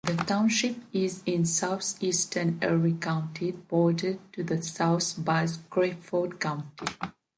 The township is in southeastern Erie County, bordered to the south by Crawford County.